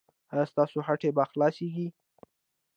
ایا ستاسو هټۍ به خلاصیږي؟